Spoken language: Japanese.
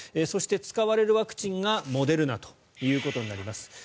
そして、使われるワクチンがモデルナとなります。